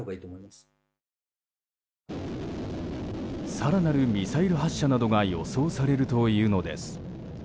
更なるミサイル発射などが予想されるというのです。